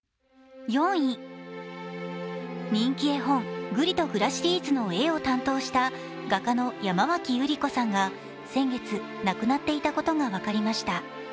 人気絵本「ぐりとぐら」シリーズの絵を担当した画家の山脇百合子さんが先月、亡くなっていたことが分かりました。